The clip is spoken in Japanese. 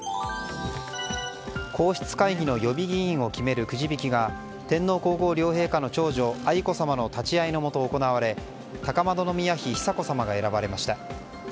皇室会議の予備議員を決めるくじ引きが天皇・皇后両陛下の長女愛子さまの立ち会いのもと行われ高円宮妃久子さまが選ばれました。